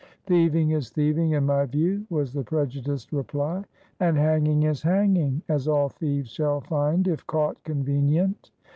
"Thieving is thieving, in my view," was the prejudiced reply. "And hanging is hanging as all thieves shall find if caught convenient."